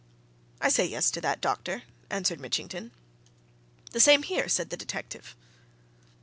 "I say yes to that, doctor," answered Mitchington. "The same here, sir," said the detective.